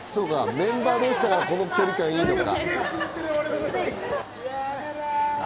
メンバー同士だから、この距離感でいいのか。